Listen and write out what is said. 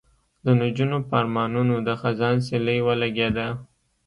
د نجونو په ارمانونو د خزان سیلۍ ولګېده